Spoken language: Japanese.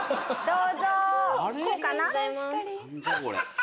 どうぞ。